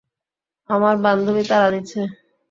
আমার বান্ধবী তাড়া দিচ্ছে।